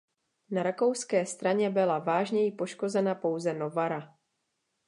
Na rakouské straně byla vážněji poškozena pouze "Novara".